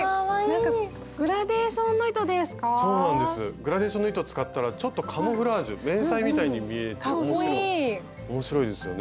グラデーションの糸使ったらちょっとカムフラージュ迷彩みたいに見えて面白いですよね。